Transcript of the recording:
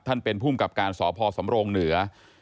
ท่านเป็นผู้กับการสพสำรงค์เหนือ